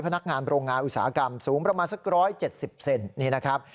พนักงานโรงงานอุตสาหกรรมสูงประมาณสักร้อยเจ็ดสิบเซ็นนี่นะครับ